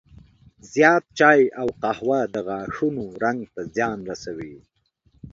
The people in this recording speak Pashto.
زیات چای او قهوه د غاښونو رنګ ته زیان رسوي.